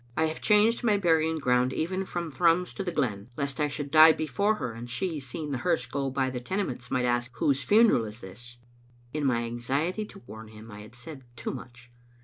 I have changed my burying ground even from Thrums to the glen, lest I should die before her, and she, seeing the hearse go by the Tenements, might ask, 'Whose funeral is this?' " In my anxiety to warn him, I had said too much.